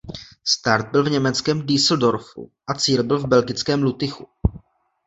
Start byl v německém Düsseldorfu a cíl byl v belgickém Lutychu.